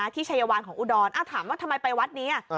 ที่ชัยวานของอุดรถามว่าทำไมไปวัดนี้